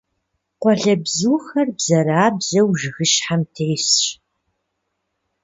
Къуалэбзухэр бзэрабзэу жыгыщхьэм тесщ.